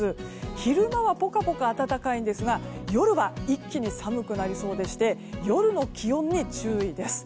昼間はポカポカ暖かいんですが夜は一気に寒くなりそうでして夜の気温に注意です。